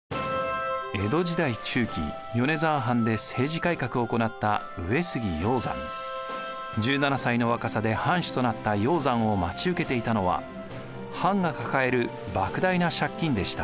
江戸時代中期米沢藩で政治改革を行った１７歳の若さで藩主となった鷹山を待ち受けていたのは藩が抱える莫大な借金でした。